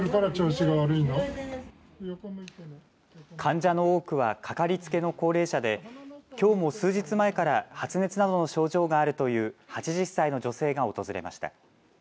患者の多くはかかりつけの高齢者できょうも数日前から発熱などの症状があるという８０歳の女性が訪れました。